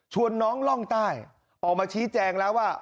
น้องร่องใต้ออกมาชี้แจงแล้วว่า